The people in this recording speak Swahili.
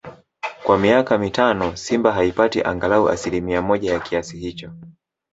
kwa miaka mitano Simba haipati angalau asilimia moja ya kiasi hicho